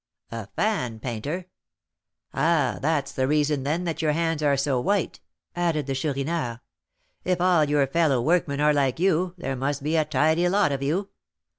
"A fan painter! Ah! that's the reason, then, that your hands are so white," added the Chourineur. "If all your fellow workmen are like you, there must be a tidy lot of you.